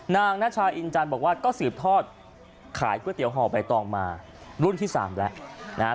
นาชาอินจันทร์บอกว่าก็สืบทอดขายก๋วยเตี๋ยห่อใบตองมารุ่นที่๓แล้วนะครับ